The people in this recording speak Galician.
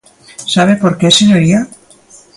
¿Sabe por que, señoría?